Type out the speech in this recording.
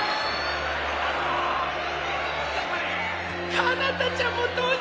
かなたちゃんも登場！